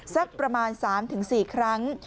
สักประมาณ๓๔ครั้ง